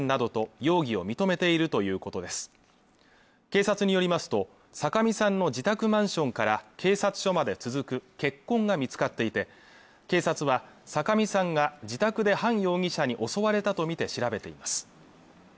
警察によりますと酒見さんの自宅マンションから警察署まで続く血痕が見つかっていて警察は酒見さんが自宅でハン容疑者に襲われたとみて調べています